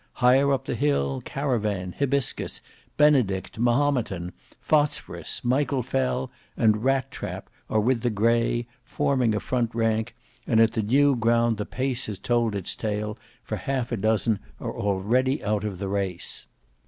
Higher up the hill, Caravan, Hybiscus, Benedict, Mahometan, Phosphorus, Michel Fell, and Rat trap are with the grey, forming a front rank, and at the new ground the pace has told its tale, for half a dozen are already out of the race.